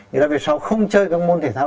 thế là về sau không chơi các môn thể thao